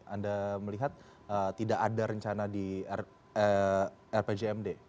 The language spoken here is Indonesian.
anda melihat tidak ada rencana di rpjmd